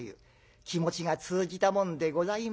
気持ちが通じたもんでございましょう。